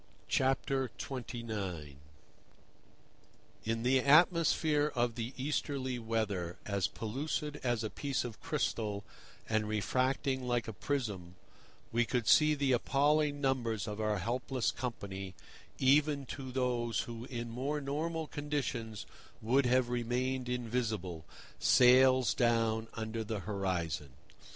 XXIX. In the atmosphere of the Easterly weather, as pellucid as a piece of crystal and refracting like a prism, we could see the appalling numbers of our helpless company, even to those who in more normal conditions would have remained invisible, sails down under the horizon.